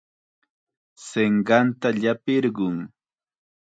Sinqanta llapirqun.